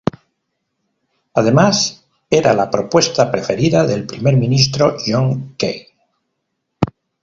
Además, era la propuesta preferida del primer ministro John Key.